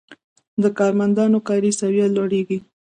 د کارمندانو کاري سویه لوړیږي.